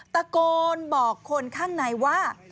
ตะโกนบอกคนข้างในว่า